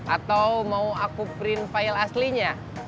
atau mau aku print file aslinya